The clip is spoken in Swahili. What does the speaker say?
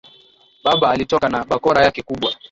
Baba alitoka na bakora yake kubwa